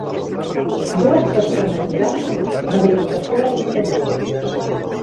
Dues persones grans bevent cafè a l'exterior.